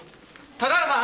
高原さん。